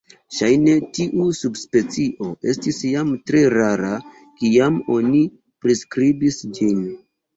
Ŝajne tiu subspecio estis jam tre rara kiam oni priskribis ĝin.